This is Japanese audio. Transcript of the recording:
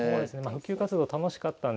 普及活動楽しかったんですけどね